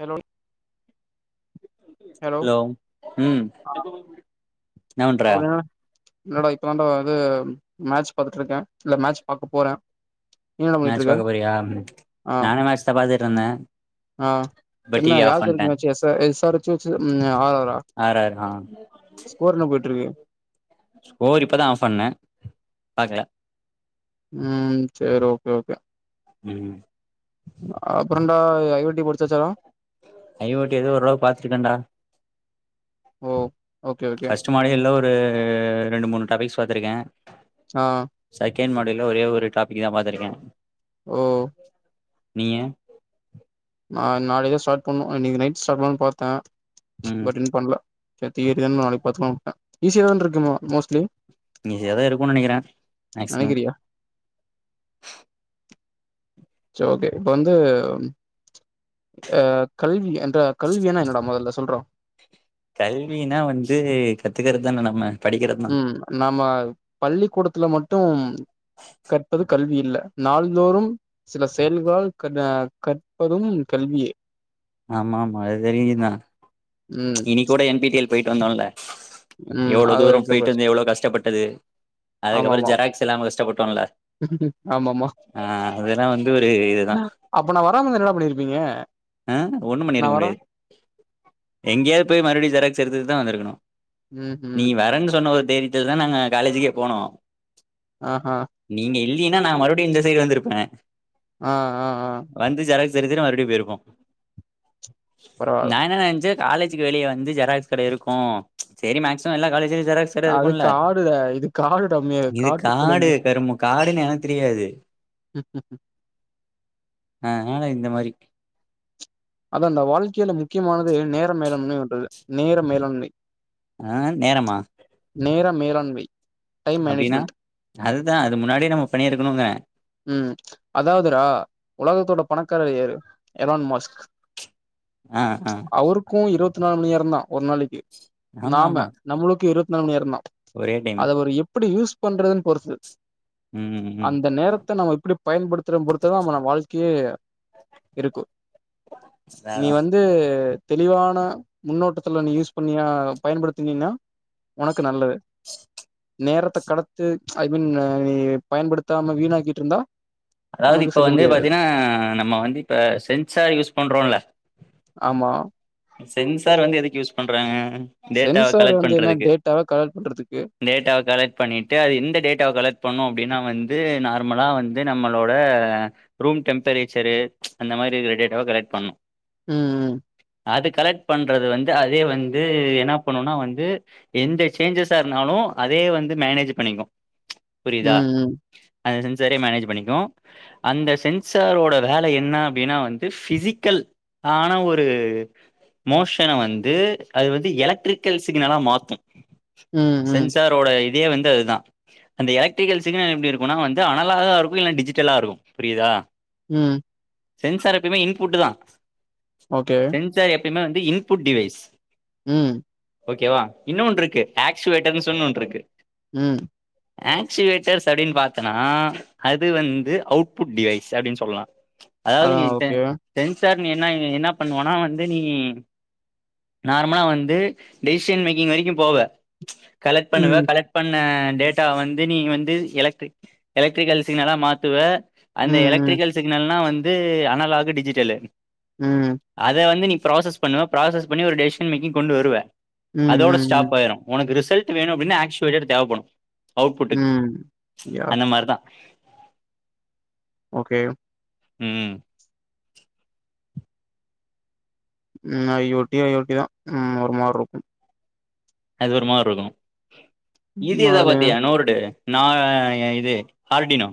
Hello டி hello ம் என்ன பண்ற அபுற என்னடா இல்லடா இப்பதாண்டா இது மேட்ச் பாத்துட்ருக்கே இல்ல மேட்ச் பாக்க போறே நீ என்னடா பண்ணிட்டு மேட்ச் இருக்க பாக்க போறியா ஆ நானு மேட்ச்தா பாத்துட்ருந்தே ஆ என்ன யார் பேருக்கு மேட்ச்சு எஸ் ஆ எஸ் ஆர் எச்சு வச்சு ம் அ ஆர் ஆரா ஆரார் ஆ ஸ்கோர் என்ன போயிட்டு இருக்கு ஸ்கோர் இப்பதா ஆஃப் பண்ணே பாக்ல ம் சேர் ஓகே ஓகே ம் அப்றோண்டா ஐ ஓட்டி முடிச்சாச்சா ஐ ஓட்டி எதோ ஓரளவு பாத்திருக்கேண்டா ஓ ஓகே ஓகே மாரியல்லா ஒரு ரெண்டு மூணு டாபிக்ஸ் பாத்துருக்கே ஆ செகண்ட் மாடல ஒரே ஒரு டாபிக் தா பாத்துருக்கே ஓ நீங்க நா நாளைக்கு தா ஸ்டாட் பண்ணு இன்னைக்கு நைட் ஸ்டாட் பண்லா பாத்தே ம் பட் இன்னு பண்ல சேரி தியரிதானு நாளைக்கு பாத்துக்கலா உட்டே ஈஸியா தா இருக்கு மோ மோஸ்ட்லி ஈஸியாதா இருக்கு நெனைக்கிறே மேக்ஸ்மம் நெனைக்கிறியா சோ ஓகே இப்ப வந்து அ கல்வி என்ற கல்வியினா என்னடா மொதல்ல சொல்றா கல்வினா வந்து கத்துக்கறது தா நம்ம படிக்கிறது தா ம் நாம பள்ளிக்கூடத்துல மட்டு கற்பது கல்வி இல்ல நாள்தோறு சில செயல்களா க கற்பதும் கல்வியே ஆமா ஆமா அது தெரியுதா ம் நீ கூட என் டி டி எல் போய்ட்டு வந்தோல ம் ம் எவ்ளோ அது ஒரு தூர எக்ஸாம்பிள் போயிட்டு வச்சு வந்து எவ்ளோ கஷ்டப்பட்டது அதுக்கப்றோ ஆமாமா ஜெராக்ஸ் இல்லாம கஷ்ட்டபட்டோல ஆமாமா வந்து ஒரு இதுதா அப்ப நா வராமருந்தா என்னடா பண்ணிருப்பிங்க அ ஒண்ணு பண்ணிருக்க முடியாது எங்யாவது போய் மறுவடி ஜெராக்ஸ் எடுத்துட்தா வந்திருக்கணு ம் நீ ம் வரன்னு சொன்ன ஓரு தாயிரி இதுனா நாங்க காலேஜுக்கே போனோ ஆஹா நீங்க இல்லேன்னா நா மறுபடியு இந்த சைடு வந்திருப்பே ஆ ஆ ஆ வந்து செராக்ஸி எடுத்துட்டு மறுபடியு போயிருப்போ பரவால்ல நா என்ன நெனச்சே காலேஜக்கு வெளியே வந்து ஜெராகஸ் கட இருக்கு சேரி மேக்சிமம் எல்லா காலேஜ் ஜெராக்ஸ் அதுக்கு இருக்கும்ல ஆடுடா இது காடுடா மே இது காட்டுக்குள்ள காடு கருமு காடுன்னு எனக்கு தெரியாது ம் ம் அதனால இந்த மாரி அத அந்த வாழ்க்கையில முக்கியமானது நேர மேலண்மைன்றது நேர மேலண்மை ஆ நேரமா நேர மேலாண்மை டைம் அப்டின்னா மேனேஜ்மெண்ட் அதுதா அது முன்னாடியே நம்ம பண்ணி இருக்கணுங்கேறே ம் அதாவதுரா உலகத்தோட பணக்காரர் யரு எலான் மாஸ்க் ஆ ஆ அவருக்கு இருபத்தி நாலு மணி நேர தா ஒரு நாளைக்கு ஆமா நாம ஆமா நம்மளுக்கு இருபத்தி நாலு மணி நேரதா ஒரே டைமு அத அவரு எப்படி யூஸ் பண்றதுன்னு பொறுத்து ம் ம் அந்த நேரத்தே நம்ம எப்படி பயன்படுத்துற பொறுத்து தா நம்ம வாழ்க்கையே இருக்கு அதா நீ அதா வந்து தெளிவான முன்னோட்டத்துல நீ யூஸ் பண்ணினா பயன்படுத்துனீன்னா உனக்கு நல்லது நேரத்த கடத்து ஐ மீன் அ நீ பயன்படுத்தாம வீணாக்கிட்ருந்தா அதாவ்து இப்ப வந்து பாத்தீனா நம்ம வந்து இப்ப சென்சார் யூஸ் பண்றோல்ல ஆமா அ சென்சார் வந்து எதுக்கு யூஸ் பண்றாங்க டேட்டாவ சென்சார் கலெக்ட் வந்து என்ன பண்றதுக்கு டேட்டாவ கலெக்ட் பண்றதுக்கு டேட்டாவ கலெக்ட் பண்ணீட்டு அது எந்த டேட்டாவ கலெக்ட் பண்ணு அப்டினா வந்து நார்மலா வந்து நம்மளோட ரூம் டெம்பரேச்சரு அந்த மாரி இர்க்கற டேட்டாவ கலெக்ட் பண்ணு ம் ம் அது கலெக்ட் பண்றது வந்து அதே வந்து என்னா பண்ணுனா வந்து எந்த சேஞ்சஸா இருந்தாலு அதே வந்து மேனேஜு பண்ணிக்கு புரியிதா ம் அந்த சென்சாரே மேனேஜு பண்ணிக்கு அந்த சென்சாரோட வேல என்ன அப்டின்னா வந்து ஃபிசிக்கல் ஆன ஒரு மோஷன வந்து அது வந்து எலக்ட்ரிக்கல் சிக்னலா மாத்து ம் ம் ம் சென்சாரோட இதே வந்து அதுதா அந்த எலக்ட்ரிக்கல் சிக்னல் எப்டி இருக்குனா வந்து அனலாகா இருக்கு இல்ல டிஜிட்டலா இருக்கு புரியிதா ம் சென்சார் எப்பயுமே இன்புட்டு தா ஓகே சென்சார் எப்பயுமே வந்து இன்புட் டிவைஸ் ம் ஓகேவா இன்னோன்ருக்கு ஆக்ஸுவேட்டர்னு சொன் ஒன்ருக்கு ம் ஆக்ஸிவேட்டர்ஸ் அப்டின் பாத்தனா அது வந்து அவுட்புட் டிவைஸ் அப்டின் சொல்லா அதாவ்து நீ அதான் ட்ட ஓகே. சென்சார் நீ வேண்னா நீ என்னா பண்ணுவனா வந்து நீ நார்மலா வந்து டெய்ஷன் மேக்கிங் வரைக்கு போவ கலெக்ட் பண்ணுவ ம். கலெக்ட் பண்ண டேட்டாவ் வந்து நீ வந்து எலக்ட்ரிக் எலக்ட்ரிக்கல் சிக்னலா மாத்துவ அந்த ம். எலக்ட்ரிக்கல் சிக்னல்லா வந்து அனலாகு டிஜிட்டலு ம் அத வந்து நீ ப்ராசஸ் பண்ணுவ ப்ராசஸ் பண்ணி ஒரு டெஸ்ஷன் மேக்கிங் கொண்டு வருவ ம். அதோட ம். ஸ்டாப் ம். ஆய்ரு உனக்கு ரிசல்ட்டு வேணு அப்படின்னா ஆக்ஸுவேட்டட் தேவப்படு அவுட்புட்டுக்கு ம். யாஹ்! அந்த மார் தா ஓகே ம் I O T, I O T தா ம் ஒரு மார்ருக்கு அது ஒரு மார்ருக்கு இது ம். எதா அது பாத்தியா நோர்டு நா அ ஏ இது ஹார்டினோ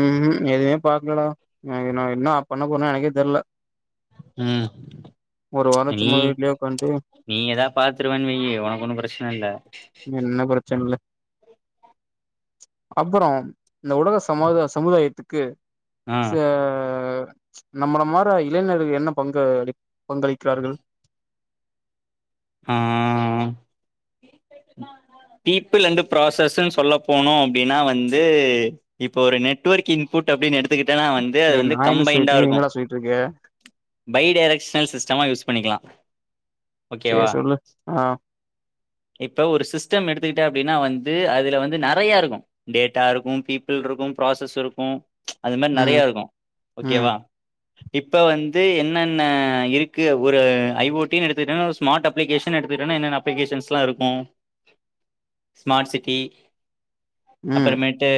ம்ம் எதுமே பாக்கலடா நாளைக்கு நா என்னா பண்ண போறனே எனக்கே தெர்ல ம் ஒரு வாரோ நீ சும்மா வீட்லே உக்காந்ட்டு நீ எதா பாத்துருவானு வெய்யி உனக் ஒன்னு பிரச்சன இல்ல என்ன பிரச்சனில்ல அப்பறோ ம் இந்த உலக சமாத சமுதாயத்துக்கு ஆ சே நம்மள மாற இளைஞர்கள் என்ன பங்கு அளி பங்களிக்கிறார்கள் ம் தீப்புந்து ப்ராசஸ்ன் சொல்ல போனு அப்டின்னா வந்து இப்போ ஒரு நெட்வொர்கிங் பூட் அப்படின் எடுத்துக்கிட்டனா அது டேய் வந்து நான் என்ன சொல்லிட்டு கம்பைண்டா இருக்கேன், நீ இருக்கு என்னடா சொல்லிட்டு இருக்க? பை டேரெக்ஷனல் சிஸ்டமாக யூஸ் பண்ணிக்லா சே சொல்லு அ இப்ப ஒரு சிஸ்டம் எடுத்துக்குட்ட அப்டின்னா வந்து அதில வந்து நறையா இருக்கு டேட்டா இருக்கு பீப்புள்ருக்கு ப்ராசஸ் இருக்கு அது மேர் ம். நறைய இருக்கு ஓகே ம் வா இப்ப வந்து என்னன்ன இருக்கு ஒரு ஐஓடின் எடுத்துகுட்டன ஸ்மார்ட் அப்ளிகேஷன் எடுத்துக்குட்டனா என்னன்ன அப்ளிகேஷன்லா இருக்கு ஸ்மார்ட் சிட்டி ம் அப்பறமேட்டு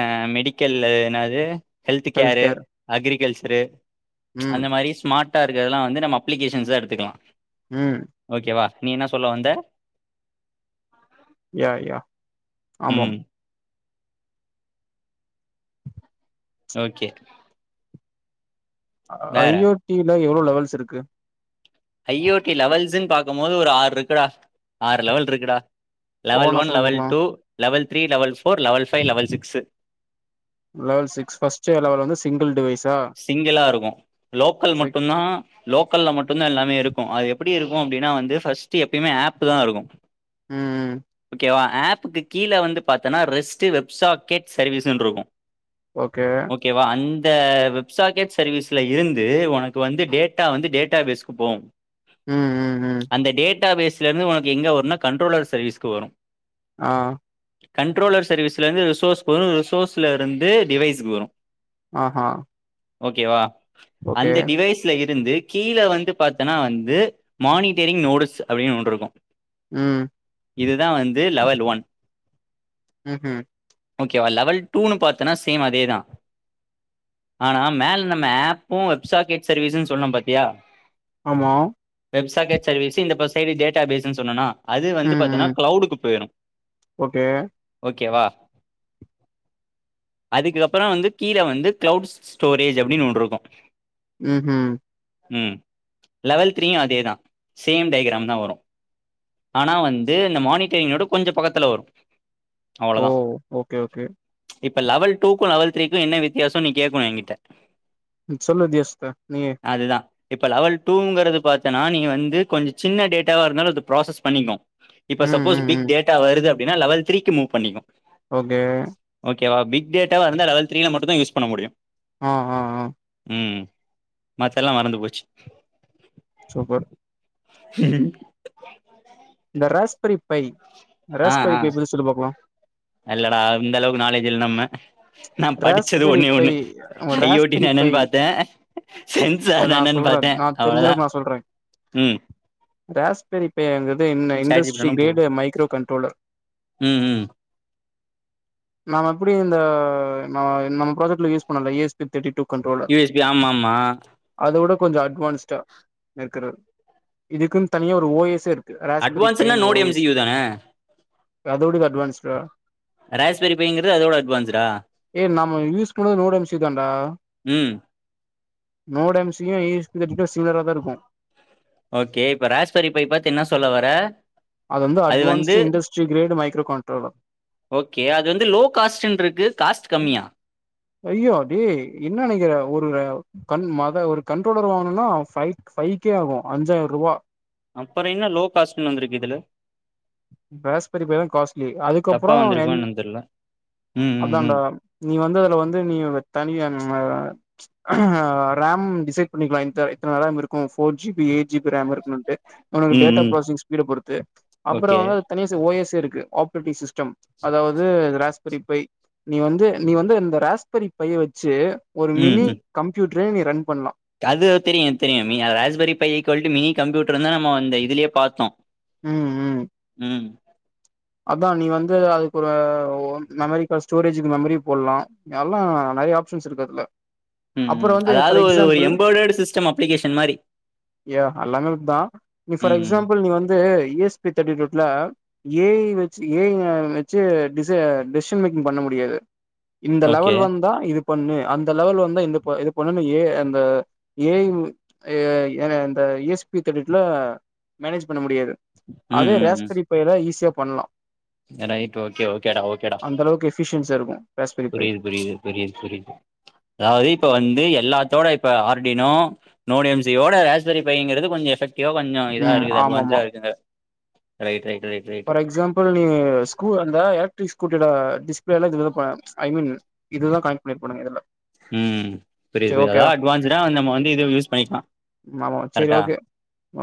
அ மெடிக்கல்ல என்னாது health health care care agriculture ம் அந்த மாரி ஸ்மார்ட்டா இருக்கற்துலா வந்து நம்ம அப்ளிகேஷன்ஸா தான் எடுத்துக்குலா ம் ஓகேவா நீ என்னா சொல்ல வந்த யா யா ஆமா ம் ஓகே ஐ வேற யோ டில எவ்ளோ லெவல்ஸ் இருக்கு ஐயேடி லவல்ஸ்ன் பாக்கமோது ஒரு ஆற்ருக்குடா ஆறு லவல்ருக்குடா லவல் ஒவ்வொன்னா ஒன் சொல்லு லவ் பாக்கலா two level three level four level five level six level six first level வந்து சிங்குல் டிவைஸா சிங்கிளா இருக்கு லோக்கல் செக் மட்டுந்தா லோக்கல்ல மட்டுந்தா எல்லாமே இருக்கு அது எப்பிடி இருக்கு அப்டினா வந்து ஃபர்ஸ்ட்டு எப்பயுமே ஆப்பு தா இருக்கு ம் ஓகேவா ஆப்புக்கு கீழ வந்து பாத்தனா ரெஸ்ட்டு வெப்சாக்கெட் சர்வீஸுன்ருக்கு ஓகே ஓகேவா அந்தவு சாக்கெட் சர்வீஸ்ல இருந்து ஒனக்கு வந்து டேட்டா வந்து டேட்டா பேஸ்க்கு போவு ம் ம் ம் அந்த டேட்டா பேஸ்லேருந்து ஒனக்கு எங்க வருன்னா கண்ட்ரலர் சர்வீஸ்கு வரு அ கண்ட்ரோலர் சர்வீஸ்லேந்து ரிசோர்ஸ்க் வரு ரிசோர்ஸில்லேருந்து டிவைஸ்க்கு வரு அ ஹ ஓகேவா அந்த டிவைஸ்ல இருந்து கீழ வந்து பாத்தனா வந்து மானிட்டரிங் நோடுஸ் அப்டின் ஒன்ருக்கு ம் இதுதா வந்து லவல் ஒன் ம் ஹு ஓகேவா லவல் டூ னு பாத்தனா சேம் அதேதா ஆனா மேல நம்ம ஆப்பு வெப்சாக்கெட் சர்வீஸன் சொன்னோ பாத்தியா ஆமா வெப்சாக்கெட் சர்வீஸு இந்த பஸ் சைடு டேட்டா பேஸ்ன் சொன்னனா அது வந்து ம் பாத்தனா ம் க்ளவுடுக்கு பேயிரு ஓகே ஓகேவா அதுக்கு அப்புற வந்து கீழ வந்து கிளவுட் ஸ்டோரேஜ் அப்டின்னு ஒன்று இருக்கோம் ம் ம் ம் லெவல் த்ரீயும் அதேதான் சேம் டைகிராம் தான் வரும் ஆனா வந்து இந்த மானிட்டரிங்யோட கொஞ்சோ பக்கத்துல வரும் ஓ அவ்வளோவதான் ஓகே ஓகே இப்ப லெவல் டூக்கு லெவல் த்ரீக்கு என்ன வித் விதியசோம் நி கேக்கனு எங்கிட்ட சொல்லு வித்தியாசத்த நீயே அதுதான் இப்ப லெவல் டூங்கிறது பாத்தனா நீ வந்து கொஞ்சோ சின்ன டேட்டாவா இருந்தாலு அது ப்ராசஸ் பண்ணிக்னோ இப்ப ம் சப்போஸ் ம் பிக் ம் டேட்டா வருது அப்டின்னா லெவல் த்ரீக்கு மூவ் பண்ணிக்கும் ஓகே ஓகேவா பிக் டேட்டாவா இருந்தா லெவல் த்ரீல மட்டும்தான் யூஸ் பண்ண முடியும் ஆ ஆ ஆ ம் மத்தெல்லாம் மறந்து போச்சு சூப்பர் இந்த ரஸ்பெரி பை ஆ ரஸ்பெரி ஆ பை பத்தி சொல்லு பாக்லாம் இல்லடா இந்த அளவுக்கு நாலேஜ் இல்ல நம்ம நா படிச்சது ராஸ்பெரி ஒன்னே பை ஒண்ணு ஐ யோட் ராஸ்பெரி டினா பை என்னன்னு பாத்தேன் சென்சார்னா நா என்னனு சொல்றே பாத்தேன் நா அவ்ளதான் தெரிஞ்சளவுக்கு நா சொல்றே ம் ராஸ்பெரி பேங்கிறது என்ன chat G P T industry னா போது கிரேடு மைக்ரோ கண்ட்ரோலர் ம் ம் நாம எப்டி இந்த நம்ம ப்ராஜக்ட்ல யூஸ் பண்ணோல U S thirty two controller U S B ஆமா ஆமா அத வுட கொஞ்சோ அட்வான்ஸ்டா இருக்கிறது இதுக்குனு தனியா ஒரு ஓ எஸ்செ இருக்கு ராஸ்பெரி அட்வான்ஸ்னா பையங்க ஓ node M C S U தான அதோடு இது அட்வான்ஸ்டா ராஸ்பரி பைங்கிறது அதோட அட்வான்ஸ்டா ஏ நம்ம யூஸ்க்குமே ரோட்டன்சி தான்டா ம் நோடம்சியு இஸ்டு சீவியாராதா இருக்கும் ஓகே இப்ப ராஷ்பரி பை பாத் என்ன சொல்ல வர அது வந்து advanced industry grade micro controller okay அது வந்து லோ காஸ்ட்னு இருக்கு காஸ்ட் கம்மியா ஐயோ டே என்ன நனைக்கிற ஒரு கண் மத ஒரு கண்ட்ரோலர் வாங்கனுனா பைவ் பைவ்க்கே ஆகும் அஞ்சாயிர ரூபா அப்புரோ என்ன லோ காஸ்ட்னு வந்துருக்கு இதுல ரஸ்பெரிதான் காஸ்ட்லி தப்பா அதுக்கப்புரோம் வந்திருக்கோ என் என்னன்னு தெர்ல ம் ம் அதான்ட ம் நீ வந்து அதுல வந்து நீ தனியா ரேம் டிசைட் பண்ணிக்கலாம் இத்த இத்தன ரேம் இருக்கும் போர் ஜி பி எ ஜி பி ரம் இருக்குனுட்டு உனக்கு ம் டேட்டா ம் ப்ராஸஸிங் ஸ்பீட் பொருத்து ஓகே அப்புறோம் தனியா ஓ எஸ்ஸு இருக்கு ஆப்ரேட்டிங் சிஸ்டம் அதாவது பை நீ வந்து நீ வந்து இந்த ரஸ்பெரி பைய வெச்சு ஒரு ம் மினி ம் கம்ப்யூட்டரே நீ ரன் பண்லாம் அது தெரியும் தெரியும் ராஸ்பெரி பையை ஈகொல்ட்டு மினி கம்ப்யூட்டர்னு நம்ப அந்த இதுலயே பாத்தோம் ம் ம் அதான் நீ வந்து அதுக்கு ஒரு மெமரி கார்ட ஸ்டோரேஜ்க்கு மெமரி போடலாம் எல்லா நெறய ஆப்ஷன்ஸ் இருக்கு அதுல ம் அப்புறோ ம் வந்து அதாவது ஃபார் ஒரு ஒரு எக்ஸாம்பிள் எம்பேர்ட்டேடு சிஸ்டம் அப்ளிகேஷன் மாரி யா அல்லாம ‌அப்பிட்தா நீ ஃபார் ம் ம் எக்ஸாம்பிள் வந்து இ எஸ பி தேர்டி டூவ்ல ஏ ஐ வெச்சு ஏய் வெச்சி டிஷசூ டிசிஷன் மேக்கிங் பண்ண முடியாது இந்த ஓகே லெவல் வந்தா இதுப் பண்ணு அந்த லெவல் வந்தா இந்தப் இது பண்ணு ஏய் அந் ஏ ஐ எ ஏ இந்த இ எஸ் பி ததெர்டி டூவ்ல மேனேஜ் பண்ண முடியாது ம் அதே ரேஸ்பரி ஃபைல்ல ஈஸியா பண்லா ஏன்னா ஏ க்யூ ஓகே ஓகேடா ஓகேடா எஃஷியன்ஸா இருக்கூ புரிது புரிது புரிது புரிது அதாவது இப்ப வந்து எல்லாத்தோட இப்ப ஆர் என் டினோ நோடி எம் சியோட ரோஸ்பரி பைங்கிறது கொஞ்சொ எஃப்க்ட் இவ கொஞ்சொ இதா ம் இருக்குது ஆமாமா அட்வான்ஸா இருக்குங்க right right right right for example நீ ஸ்கூ அந்த எலக்ட்ரிக் ஸ்கூட்டியோட டிஸ்ப்ளோ எலா இந்த இதுல ஐ மீன் இதுதா கனெக்ட் பண்ணிருப்பானுங்க இதுல ம் புரித் சரி புரித் எதா ஓகேடா அட்வான்ஸ நம்ம வந்து இத யூஸ் பண்ணிக்கலா அம்மாவா சரி கரெக்டா ஓகே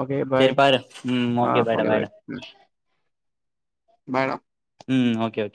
ஓகே பாய் சரி பாரு ம் ஆ பாய்டா ஓகே பாய் பாய்டா பாய் டா ம் ஓகே ஓகே